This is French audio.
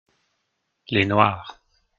les noirs.